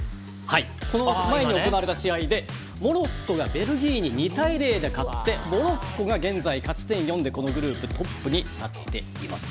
この前に行われた試合でモロッコがベルギーに２対０で勝ってモロッコが現在勝ち点４でこのグループトップに立っています。